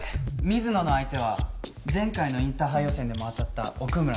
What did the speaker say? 水野の相手は前回のインターハイ予選でも当たった奥村紗耶。